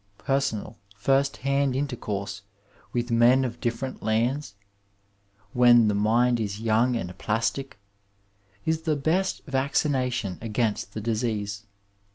Personal, first hand intercourse with men of different lands, when the mind is young and plastic, is the best vaccination agaiost the disease.